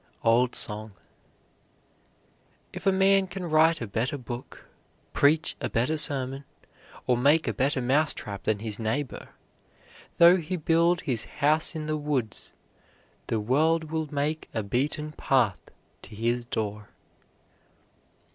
OLD SONG. If a man can write a better book, preach a better sermon, or make a better mouse trap than his neighbor, though he build his house in the woods, the world will make a beaten path to his door.